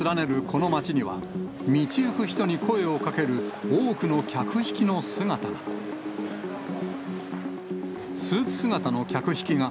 この街には、道行く人に声をかける多くの客引きの姿が。